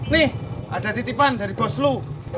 nih ada titipan dari bos lo